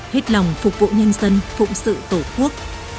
hết lòng phục vụ nhân dân phụng sự tổ quốc